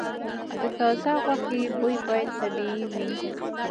د تازه غوښې بوی باید طبیعي وي.